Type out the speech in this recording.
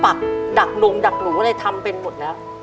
ดักลงดักหนูอะไรทำเป็นหมดแล้ว